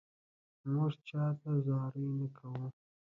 مونږ چاته زاري نه کوو